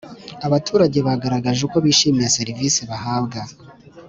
Abaturage bagaragaje uko bishimiye serivisi bahabwa